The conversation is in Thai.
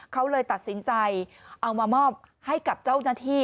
เขาเลยตัดสินใจเอามามอบให้กับเจ้าหน้าที่